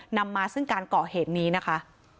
นำมาซึ่งการก่อเหตุนี้นะคะ